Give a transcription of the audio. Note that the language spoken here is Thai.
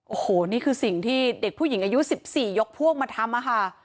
โอ้โหนี่คือสิ่งที่เด็กผู้หญิงอายุ๑๔ยกพวกมาทำค่ะ